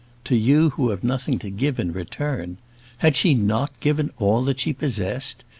"To you who have nothing to give in return!" Had she not given all that she possessed?